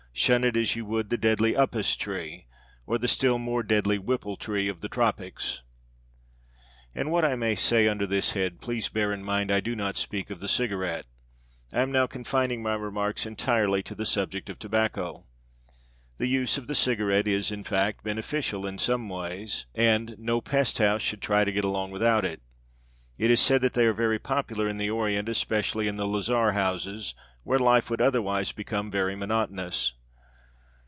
Shun it as you would the deadly upas tree or the still more deadly whipple tree of the topics. In what I may say under this head please bear in mind that I do not speak of the cigarette. I am now confining my remarks entirely to the subject of tobacco. The use of the cigarette is, in fact, beneficial in in some ways, and no pest house should try to get along without it. It is said that they are very popular in the orient, especially in the lazar houses, where life would otherwise become very monotonous.